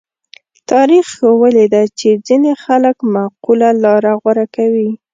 تاریخ ښوولې ده چې ځینې خلک معقوله لاره غوره کوي.